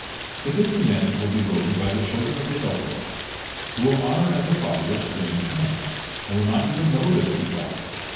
The fifth commandment will be broken by the children of the adulterer, who will honor as a father a strange man, and will not even know their true father.